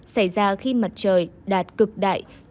xảy ra khi mặt trời đạt cực đại